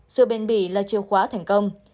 sự bền bỉ là chiêu khóa thành công